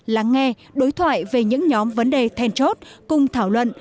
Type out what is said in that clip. lắng nghe đối thoại về những nhóm vấn đề then chốt cùng thảo luận